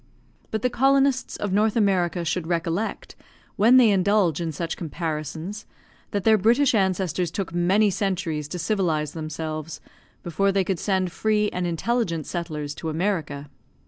But the colonists of North America should recollect, when they indulge in such comparisons, that their British ancestors took many centuries to civilise themselves, before they could send free and intelligent settlers to America.